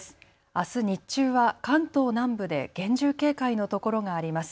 あす日中は関東南部で厳重警戒のところがあります。